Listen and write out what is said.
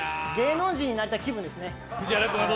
芸能人になれた気分ですね。